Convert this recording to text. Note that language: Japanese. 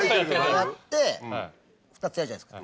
やって２つやるじゃないですか